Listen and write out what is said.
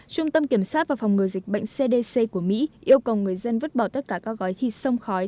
trung tâm kiểm soát và phòng ngừa dịch bệnh cdc của mỹ yêu cầu người dân vứt bỏ tất cả các gói khi sông khói